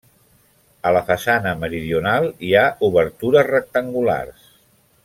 A la façana meridional hi ha obertures rectangulars.